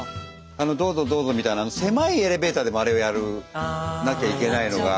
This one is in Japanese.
あの「どうぞどうぞ」みたいなあの狭いエレベーターでもあれをやらなきゃいけないのが。